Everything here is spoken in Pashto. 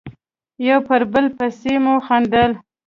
یو پر بل پسې مو خندل.